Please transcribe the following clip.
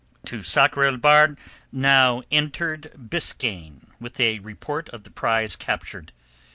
To Sakr el Bahr entered now Biskaine with a report of the prize captured.